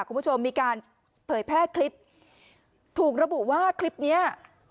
คุณผู้ชมมีการเผยแพร่คลิปถูกระบุว่าคลิปเนี้ย